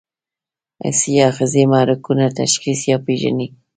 حسي آخذې محرکونه تشخیص یا پېژني.